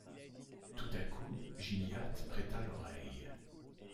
Tout à coup Gilliatt prêta l’oreille.